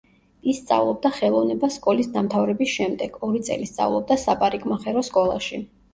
ის სწავლობდა ხელოვნებას სკოლის დამთავრების შემდეგ, ორი წელი სწავლობდა საპარიკმახერო სკოლაში.